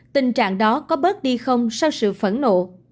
tình trạng đó có bớt đi không sau sự phẫn nộ